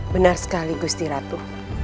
benar sekali gusti ratu